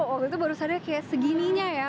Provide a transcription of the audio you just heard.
waktu itu baru saja kayak segininya ya